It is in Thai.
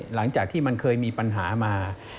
หลังจากที่มันเคยมีปัญหามา